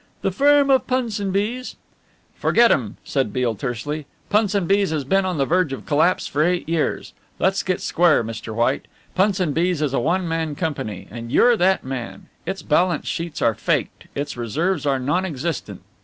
The firm of Punsonby's " "Forget 'em," said Beale tersely. "Punsonby's has been on the verge of collapse for eight years. Let's get square, Mr. White. Punsonby's is a one man company and you're that man. Its balance sheets are faked, its reserves are non existent.